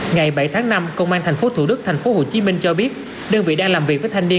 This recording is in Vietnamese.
ngày bảy tháng năm công an tp thủ đức tp hcm cho biết đơn vị đang làm việc với thanh niên